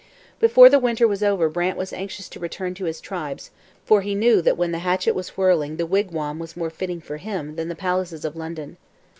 Before the winter was over Brant was anxious to return to his tribes, for he knew that when the hatchet was whirling the wigwam was more fitting for him that the palaces of London.